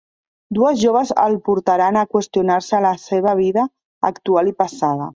Dues joves el portaran a qüestionar-se la seva vida actual i passada.